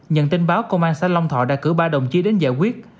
nhận tin báo công an xã long thọ đã cử ba đồng chí đến giải quyết